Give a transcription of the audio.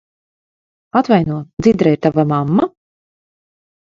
Atvaino, Dzidra ir tava mamma?